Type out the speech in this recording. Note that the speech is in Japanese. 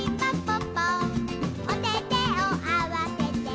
ぽっぽおててをあわせて」